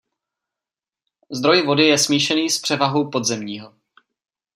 Zdroj vody je smíšený s převahou podzemního.